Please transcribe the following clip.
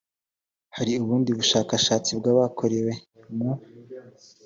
hari ubundi bushakashatsi bwakorewe mu